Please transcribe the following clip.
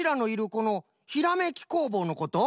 この「ひらめきこうぼう」のこと？